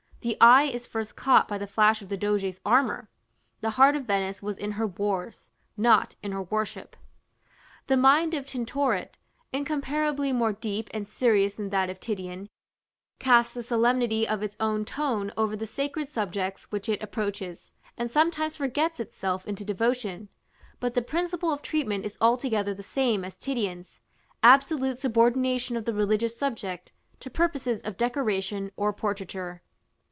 The eye is first caught by the flash of the Doge's armor. The heart of Venice was in her wars, not in her worship. The mind of Tintoret, incomparably more deep and serious than that of Titian, casts the solemnity of its own tone over the sacred subjects which it approaches, and sometimes forgets itself into devotion; but the principle of treatment is altogether the same as Titian's: absolute subordination of the religious subject to purposes of decoration or portraiture.